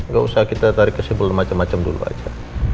gak usah kita tarik kesimpulan macem macem dulu aja